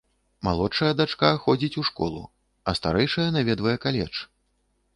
Малодшая дачка ходзіць у школу, а старэйшая наведвае каледж.